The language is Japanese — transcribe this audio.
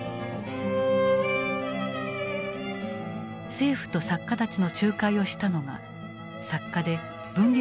政府と作家たちの仲介をしたのが作家で文藝